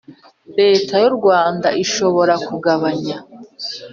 Leta y u Rwanda ishobora kugabanya